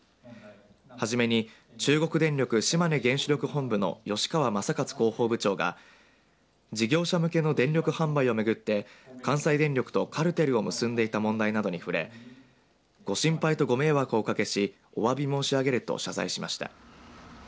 はじめに中国電力島根原子力本部の吉川正克広報部長が事業者向けの電力販売を巡って関西電力とカルテルを結んでいた問題などに触れご心配とご迷惑をおかけしおわび申し上げると謝罪しました。